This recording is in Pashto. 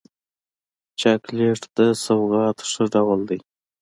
چاکلېټ د سوغات ښه ډول دی.